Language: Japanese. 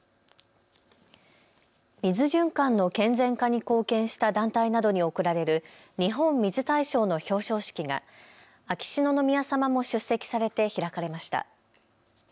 水循環の健全化に貢献した団体などに贈られる日本水大賞の表彰式が秋篠宮さまも出席されて開かれました。